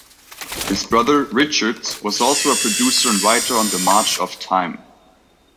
His brother, Richard, was also a producer and writer on "The March of Time".